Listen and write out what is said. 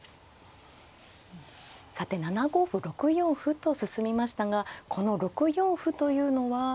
さて７五歩６四歩と進みましたがこの６四歩というのは。